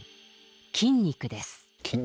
筋肉です。